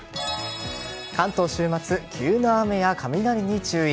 関東週末、急な雨や雷に注意。